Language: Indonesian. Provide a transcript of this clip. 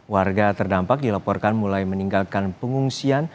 warga terdampak dilaporkan mulai meninggalkan pengungsian